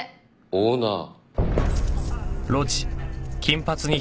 オーナー？